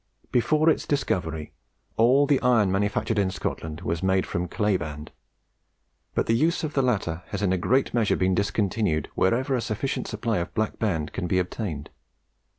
Before its discovery, all the iron manufactured in Scotland was made from clay band; but the use of the latter has in a great measure been discontinued wherever a sufficient supply of Black Band can be obtained.